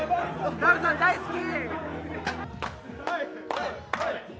ダルさん、大好き。